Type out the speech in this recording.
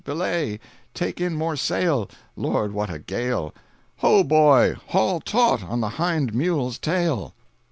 belay! Take in more sail! Lord, what a gale! Ho, boy, haul taut on the hind mule's tail!"